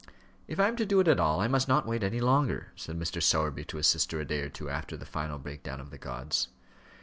"If I am to do it at all, I must not wait any longer," said Mr. Sowerby to his sister a day or two after the final break down of the gods.